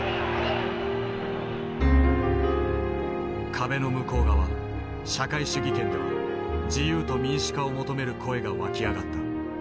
壁の向こう側社会主義圏では自由と民主化を求める声が沸き上がった。